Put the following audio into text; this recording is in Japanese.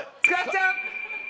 塚っちゃん！